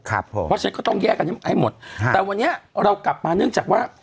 เพราะฉะนั้นก็ต้องแยกกันให้หมดแต่วันนี้เรากลับมาเนื่องจากว่า